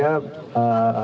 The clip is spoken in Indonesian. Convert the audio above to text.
normal semuanya normal